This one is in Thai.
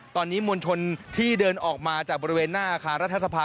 ตอนนี้มวลชนที่เดินออกมาจากบริเวณหน้าอาคารรัฐสภา